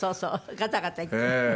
ガタガタいって。